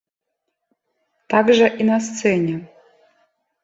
Так жа і на сцэне.